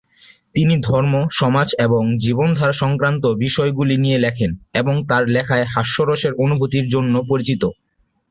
তিনি ধর্ম, সমাজ এবং জীবনধারা সংক্রান্ত বিষয়গুলি নিয়ে লেখেন এবং তার লেখায় 'হাস্যরসের অনুভূতি' জন্য পরিচিত।